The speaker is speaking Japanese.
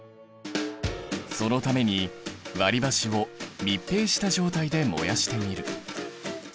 そのために割りばしを密閉した状態で燃やしてみる。